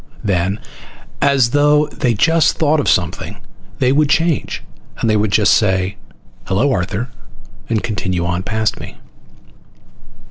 Then, as though they just thought of something, they would change, and just say, "Hello, Arthur," and continue on past me.